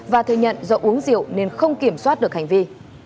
và thừa nhận do uống rượu nên không kiểm soát được hành vi